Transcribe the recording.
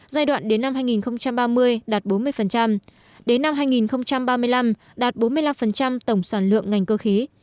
giai đoạn đến năm hai nghìn ba mươi đạt bốn mươi đến năm hai nghìn ba mươi năm đạt bốn mươi năm tổng sản lượng ngành cơ khí